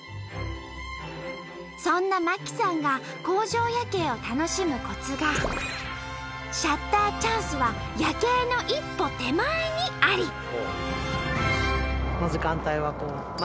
そんな真希さんが工場夜景を楽しむコツがシャッターチャンスは夜景の一歩手前にあり！